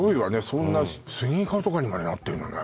そんなスニーカーとかにまでなってんのね